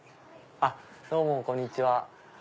どうもこんにちは。